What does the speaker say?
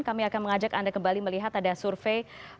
kami akan mengajak anda kembali melihat ada survei